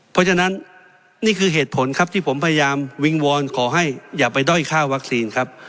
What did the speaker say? เพราะฉะนั้นนี่คือเหตุผลครับที่ผมพยายามวิงวอนขอให้อย่าไปด้อยค่าวัคซีนครับ